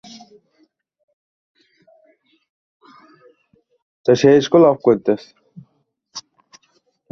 রাসূলল্লাহ সাল্লাল্লাহু আলাইহি ওয়াসাল্লাম বিছানায় গেলেন।